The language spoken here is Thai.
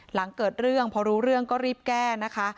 หลังเกิดเรื่องพอรู้เรื่องก็รีบแก้นะคะ